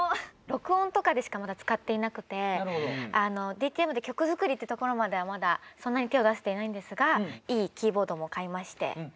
録音とかでしかまだ使っていなくてＤＴＭで曲作りってところまではまだそんなに手を出していないんですがいいキーボードも買いまして。